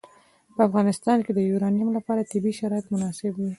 په افغانستان کې د یورانیم لپاره طبیعي شرایط مناسب دي.